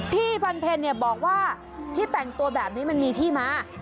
พี่พันเพลบอกว่าที่แต่งตัวแบบนี้มันมีที่มา